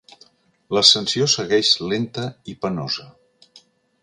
L'ascensió segueix lenta i penosa.